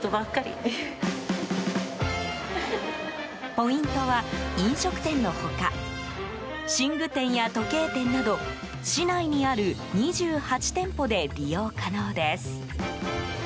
ポイントは、飲食店の他寝具店や時計店など市内にある２８店舗で利用可能です。